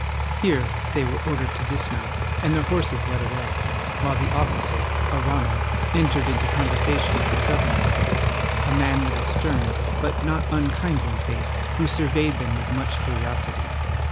Here they were ordered to dismount and their horses led away, while the officer, Arrano, entered into conversation with the governor of the prison, a man with a stern but not unkindly face, who surveyed them with much curiosity.